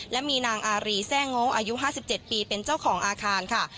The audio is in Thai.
และมีนางอารีแซ่งงงอายุห้าสิบเจ็บปีเป็นเจ้าของอาคารค่ะ